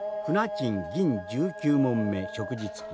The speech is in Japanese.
賃銀１９匁食事付き。